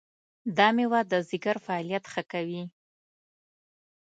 دا مېوه د ځیګر فعالیت ښه کوي.